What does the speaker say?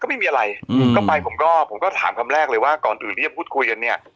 ก็ไม่มีอะไรก็ไปผมก็ถามคำแรกเลยว่าก่อนหรือหรือจะพูดคุยกันเนี่ย